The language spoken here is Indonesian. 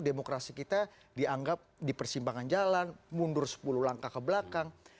demokrasi kita dianggap di persimpangan jalan mundur sepuluh langkah ke belakang